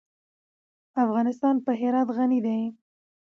افغانستان په هرات غني دی.